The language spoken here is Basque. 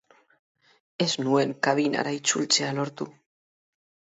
Ez nuen kabinara itzultzea lortu.